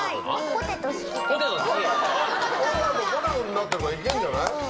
ポテトになってるからいけんじゃない？